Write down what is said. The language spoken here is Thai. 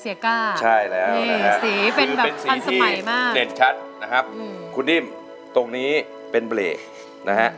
สีเป็นแบบฟันสมัยมากเป็นสีที่เห็นชัดนะครับคุณดิมตรงนี้เป็นเบรกนะฮะ